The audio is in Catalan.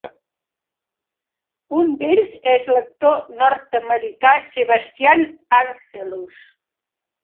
Un d'ells és l'actor nord-americà Sebastian Arcelus.